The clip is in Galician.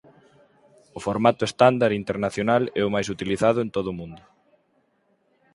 O formato estándar internacional é o máis utilizado en todo o mundo.